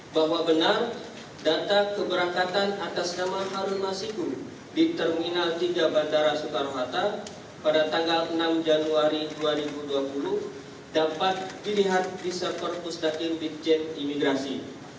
bahwa benar data keberangkatan atas nama harun masiku di terminal tiga bandara soekarno hatta pada tanggal enam januari dua ribu dua puluh dapat dilihat di server pusdaqin bitjen imigrasi